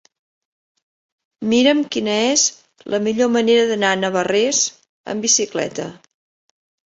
Mira'm quina és la millor manera d'anar a Navarrés amb bicicleta.